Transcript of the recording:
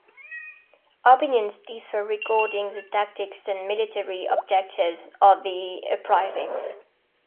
Opinions differ regarding the tactics and military objectives of the uprising.